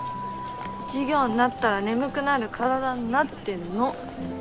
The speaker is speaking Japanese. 授業になったら眠くなる身体になってんの。